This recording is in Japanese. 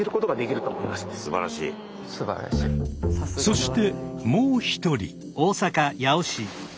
そしてもう一人。